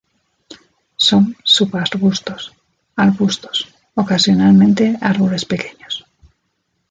Son subarbustos, arbustos, ocasionalmente árboles pequeños.